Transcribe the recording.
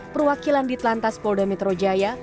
perwakilan ditelantas polda metro jaya